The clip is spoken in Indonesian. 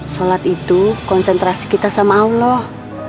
sholat itu konsentrasi kita sama allah